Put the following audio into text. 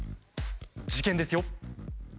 事件ですよ。